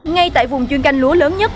ngay tại vùng chuyên canh lúa lớn nhất